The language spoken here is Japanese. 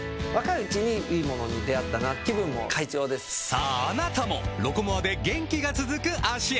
さぁあなたも「ロコモア」で元気が続く脚へ！